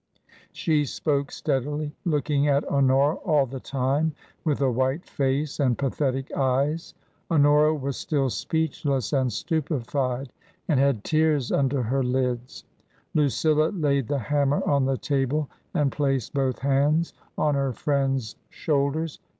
She spoke steadily, looking at Honora all the time with a white face and pathetic eyes. Honora was still speechless and stupefied and had tears under her lids. Lucilla laid the hammer on the table and placed both hands on her friend's shoulders.